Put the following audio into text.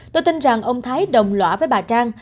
tôi tin rằng ông thái đồng loạn